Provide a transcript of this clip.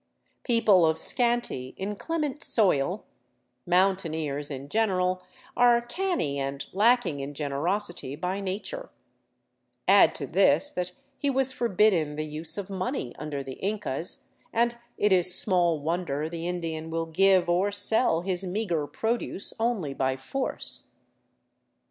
People of scanty, inclement soil, mountaineers in general, are canny and lacking in generosity by nature ; add to this that he was forbidden the use of money under the Incas, and it is small wonder the Indian will give or sell his meager produce only by force.